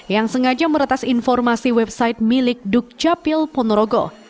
yang sengaja meretas informasi website milik dukcapil ponorogo